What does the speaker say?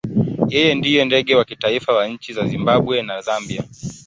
Yeye ndiye ndege wa kitaifa wa nchi za Zimbabwe na Zambia.